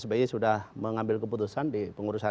jadi kalau pak sby sudah mengambil keputusan di pengurusan rakyat